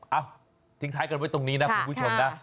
ทิ้งท้ายกันไว้ตรงนี้นะคุณผู้ชมนะ